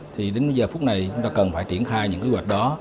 thì đến bây giờ phút này chúng ta cần phải triển khai những kế hoạch đó